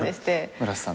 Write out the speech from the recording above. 村瀬さんと？